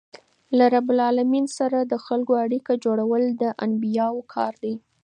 له رب العالمین سره د خلکو اړیکه جوړول د انبياوو کار دئ.